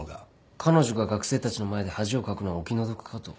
彼女が学生たちの前で恥をかくのはお気の毒かと。